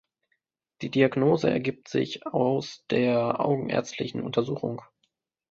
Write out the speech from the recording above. Die Diagnose ergibt sich aus der augenärztlichen Untersuchung.